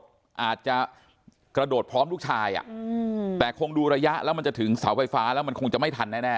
อาจจะกระโดดพร้อมลูกชายแต่คงดูระยะแล้วมันจะถึงเสาไฟฟ้าแล้วมันคงจะไม่ทันแน่